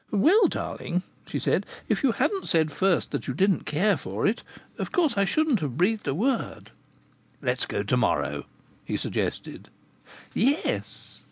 "Well, darling," she said, "if you hadn't said first that you didn't care for it, of course I shouldn't have breathed a word " "Let's go to morrow," he suggested. "Yes."